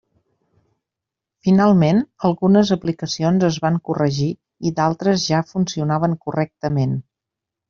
Finalment, algunes aplicacions es van corregir i d'altres ja funcionaven correctament.